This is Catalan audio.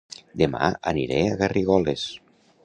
Dema aniré a Garrigoles